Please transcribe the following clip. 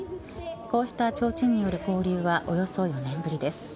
こうした、ちょうちんによる交流は、およそ４年ぶりです。